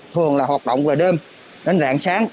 thường là hoạt động vào đêm đến rạng sáng